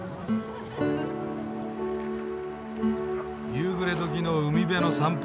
夕暮れ時の海辺の散歩。